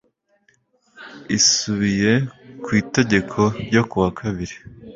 isubiye ku itegeko ryo kuwa kabiri